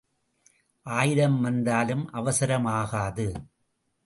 ஆயிரம் வந்தாலும் அவசரம் ஆகாது.